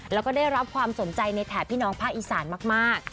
แล้วก็ได้รับความสนใจในแถบพี่น้องภาคอีสานมาก